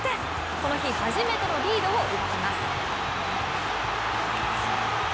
この日初めてのリードを奪います。